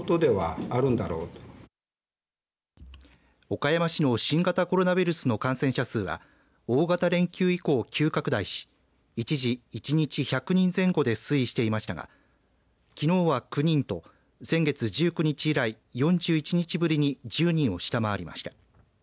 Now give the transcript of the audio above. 岡山市の新型コロナウイルスの感染者数は大型連休以降、急拡大し一時、１日１００人前後で推移していましたがきのうは９人と先月１９日以来４１日ぶりに１０人を下回りました。